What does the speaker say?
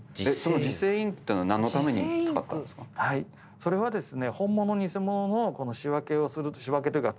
それはですね。